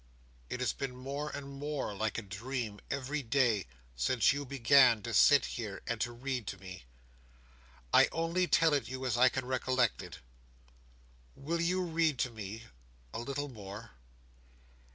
It has been more and more like a dream, every day, since you began to sit here, and to read to me. I only tell it you, as I can recollect it. Will you read to me a little more?"